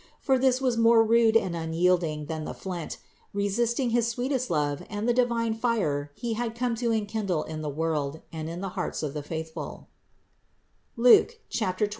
For this was. more rude and unyielding than the flint, resisting his sweetest love and the divine fire He had come to enkindle in the world and in the hearts of the faithful (Luke 12, 49).